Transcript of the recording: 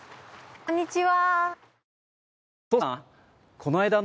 こんにちは。